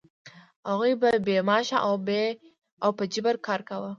هغوی به بې معاشه او په جبر کار کاوه.